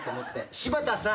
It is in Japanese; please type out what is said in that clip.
柴田さん。